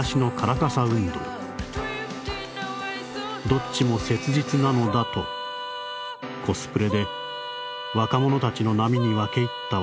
「どっちも切実なのだとコスプレで若者たちの波に分け入った